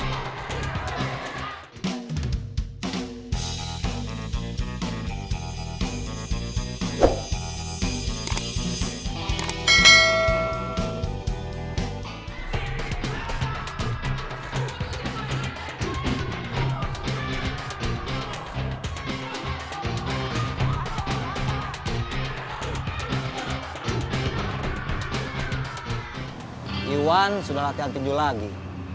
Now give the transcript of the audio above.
iwan sudah latihan pinjol lagi